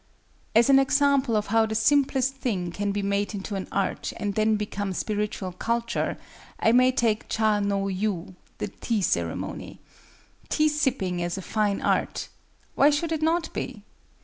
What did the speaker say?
As an example of how the simplest thing can be made into an art and then become spiritual culture, I may take Cha no yu, the tea ceremony. Tea sipping as a fine art! Why should it not be?